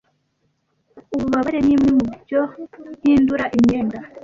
Ububabare nimwe mubyo mpindura imyenda,